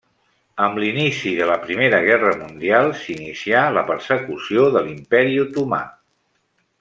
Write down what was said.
Amb l'inici de la Primera Guerra Mundial s'inicià la persecució de l'Imperi Otomà.